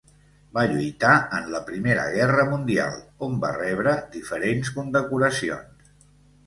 Va lluitar en la Primera Guerra Mundial, on va rebre diferents condecoracions.